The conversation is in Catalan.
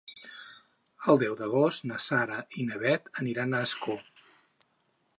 El deu d'agost na Sara i na Bet aniran a Ascó.